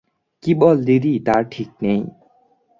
কী বল দিদি, তার ঠিক নেই।